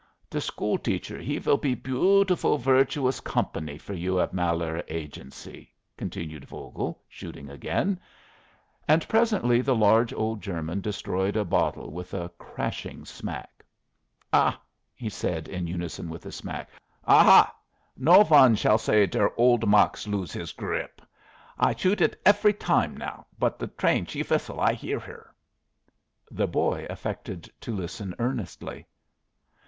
"The school teacher he will be beautifool virtuous company for you at Malheur Agency," continued Vogel, shooting again; and presently the large old German destroyed a bottle with a crashing smack. "Ah!" said he, in unison with the smack. "Ah ha! No von shall say der old Max lose his gr rip. I shoot it efry time now, but the train she whistle. I hear her." The boy affected to listen earnestly.